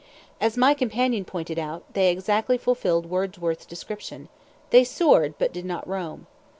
As my companion pointed out, they exactly fulfilled Wordsworth's description; they soared but did not roam.